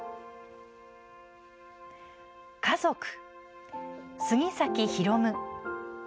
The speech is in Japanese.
「家族」